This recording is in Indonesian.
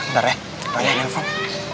ntar ya kebanyakan yang fun